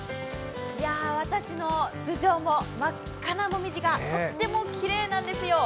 私の頭上も真っ赤な紅葉がとてもきれいなんですよ。